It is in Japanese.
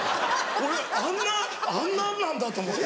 俺あんなあんなんなんだと思った。